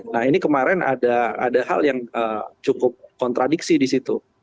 nah ini kemarin ada hal yang cukup kontradiksi di situ